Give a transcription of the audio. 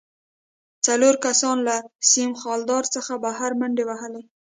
څلورو کسانو له سیم خاردار څخه بهر منډې وهلې